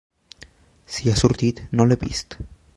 Si ha sortit, no l'he vist.